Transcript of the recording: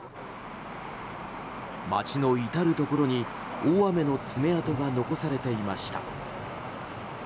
街の至るところに大雨の爪痕が残されていました。